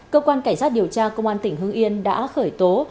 cơ quan cảnh sát điều tra công an tỉnh hưng yên đã khởi tố